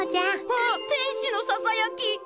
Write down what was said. あっ天使のささやき。